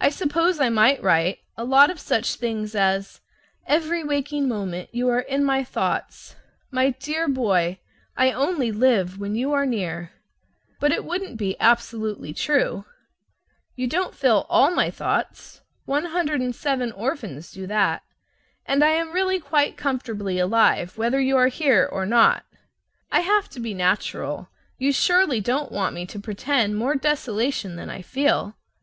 I suppose I might write a lot of such things as: "Every waking moment you are in my thoughts." "My dear boy, I only live when you are near." But it wouldn't be absolutely true. You don't fill all my thoughts; 107 orphans do that. And I really am quite comfortably alive whether you are here or not. I have to be natural. You surely don't want me to pretend more desolation than I feel.